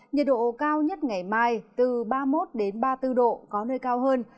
nhiệt độ cao nhất ngày mai từ ba mươi một ba mươi bốn độ có nơi cao hơn